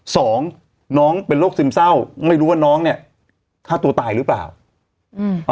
สองน้องเป็นโรคซึมเศร้าไม่รู้ว่าน้องเนี้ยฆ่าตัวตายหรือเปล่าอืม